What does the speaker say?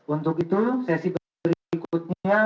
untuk itu sesi berikutnya